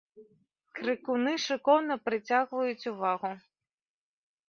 Крыкуны шыкоўна прыцягваюць увагу.